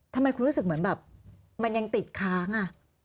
ทำไมคุณรู้สึกเหมือนแบบมันยังติดค้างอ่ะ